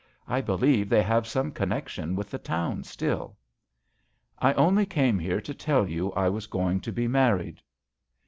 I believe they hav^ some connection with the towij still." " I only came here to tell yo I was going to be married."